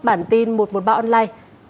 bản tin một trăm một mươi ba online